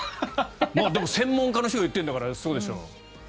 でも専門家の人が言ってるんだからそうでしょう。